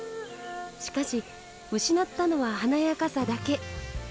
しかし失ったのは華やかさだけ。